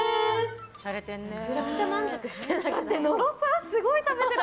めちゃくちゃ満足してる。